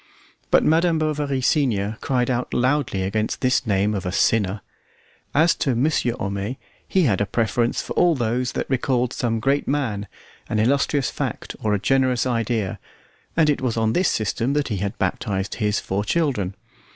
But Madame Bovary, senior, cried out loudly against this name of a sinner. As to Monsieur Homais, he had a preference for all those that recalled some great man, an illustrious fact, or a generous idea, and it was on this system that he had baptized his four children.